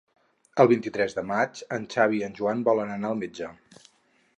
El vint-i-tres de maig en Xavi i en Joan volen anar al metge.